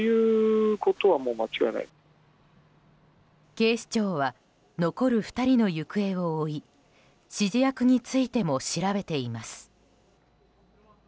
警視庁は残る２人の行方を追い指示役についても調べています。